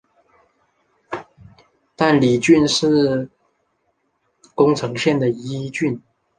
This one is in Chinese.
亘理郡是宫城县的一郡。